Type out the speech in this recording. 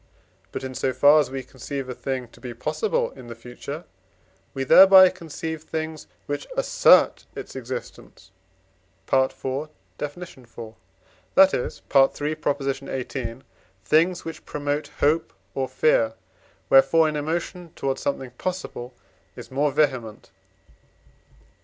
But, in so far as we conceive a thing to be possible in the future, we there by conceive things which assert its existence (IV. iv.), that is (III. xviii.), things which promote hope or fear: wherefore an emotion towards something possible is more vehement.